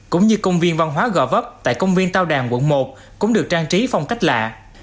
cũng như công viên văn hóa gò vấp tại công viên tao đàn quận một cũng được trang trí phong cách lạ